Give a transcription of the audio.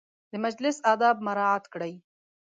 د مجلس اداب مراعت کړئ